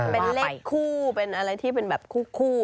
เป็นเลขคู่เป็นอะไรที่เป็นแบบคู่